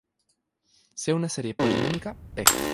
Sea una serie polinómica "p".